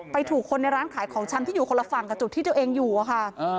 ถูกคนในร้านขายของชำที่อยู่คนละฝั่งกับจุดที่ตัวเองอยู่อะค่ะ